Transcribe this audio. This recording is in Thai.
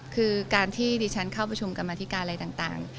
คือการที่ดิฉันเข้าประชุมกรรมธิการอะไรต่าง